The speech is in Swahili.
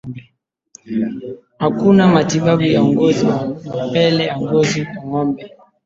Hakuna matibabu ya ugonjwa wa mapele ya ngozi kwa ngombe